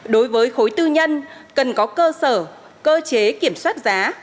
đối với khối tư nhân cần có cơ sở cơ chế kiểm soát giá